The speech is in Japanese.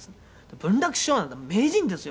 「文楽師匠なんて名人ですよ。